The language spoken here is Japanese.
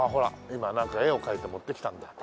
今なんか絵を描いて持ってきたんだ。